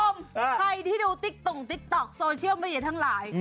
ใครที่ดูติ๊กตุ่งประเด็นที่ข้างหลาย